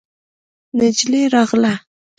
نجلۍ راغله.